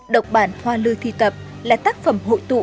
độc bản hoa lưu thi tập là tác phẩm hội tụ